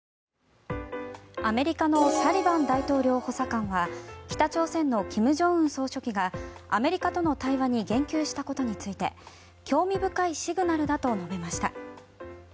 アメリカのサリバン大統領補佐官は北朝鮮の金正恩総書記がアメリカとの対話に言及したことについて興味深いシグナルだと述べました。